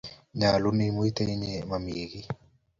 Nyaalu imuiten inye maamin kiy.